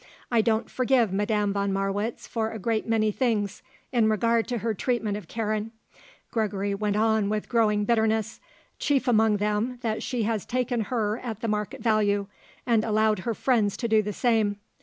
I don't forgive Madame von Marwitz for a great many things in regard to her treatment of Karen," Gregory went on with growing bitterness, "chief among them that she has taken her at her market value and allowed her friends to do the same.